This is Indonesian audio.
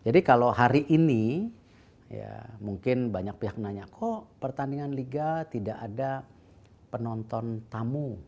jadi kalau hari ini ya mungkin banyak pihak nanya kok pertandingan liga tidak ada penonton tamu